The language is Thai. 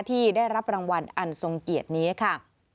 ที่ได้รับรางวัลอันทรงเกียรตินี้ค่ะ